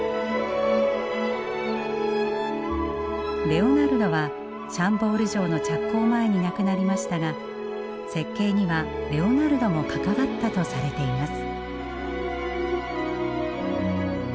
レオナルドはシャンボール城の着工前に亡くなりましたが設計にはレオナルドも関わったとされています。